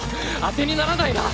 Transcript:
当てにならないな。